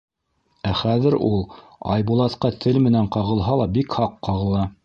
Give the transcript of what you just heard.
Ә хәҙер ул Айбулатҡа тел менән ҡағылһа ла, бик һаҡ ҡағыла.